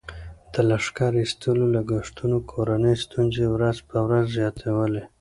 د لښکر ایستلو لګښتونو کورنۍ ستونزې ورځ په ورځ زیاتولې.